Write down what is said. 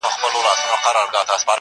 یوه ورخ پاچا وزیر ته ویل خره.!